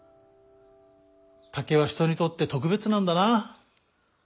竹は人にとってとくべつなんだな。